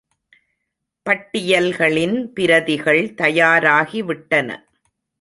பட்டியல்களின் பிரதிகள் தயாராகி விட்டன.